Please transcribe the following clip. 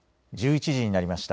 １１時になりました。